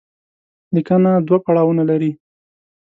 ليکنه دوه پړاوونه لري.